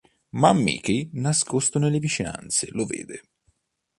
Ma Mickey, nascosto nelle vicinanze, lo vede.